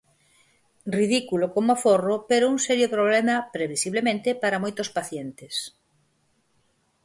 Ridículo como aforro pero un serio problema previsiblemente para moitos pacientes.